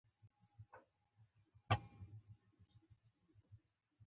اندېښني وړ خبره وه.